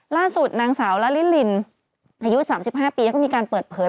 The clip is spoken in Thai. ล่าสุดนางสาวละลิลินอายุ๓๕ปีแล้วก็มีการเปิดเผย